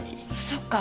そっか。